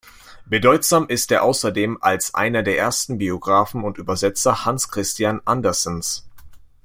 Bedeutsam ist er außerdem als einer der ersten Biographen und Übersetzer Hans Christian Andersens.